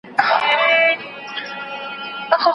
ثمر ګل په خپل پټي کې په پوره مېړانې ولاړ و.